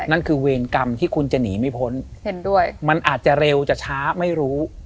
นั่นคือเวรกรรมที่คุณจะหนีไม่พ้นเห็นด้วยมันอาจจะเร็วจะช้าไม่รู้